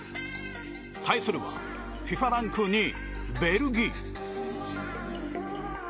対するはＦＩＦＡランク２位、ベルギー。